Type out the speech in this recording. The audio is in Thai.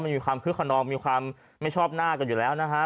มันมีความคึกขนองมีความไม่ชอบหน้ากันอยู่แล้วนะฮะ